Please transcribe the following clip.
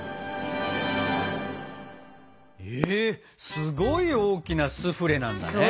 えすごい大きなスフレなんだね！